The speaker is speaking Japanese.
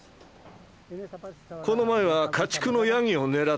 この前は家畜のヤギを狙ってた。